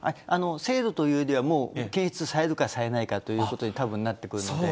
精度というよりはもう検出されるか、されないかということに、たぶんなってくるので。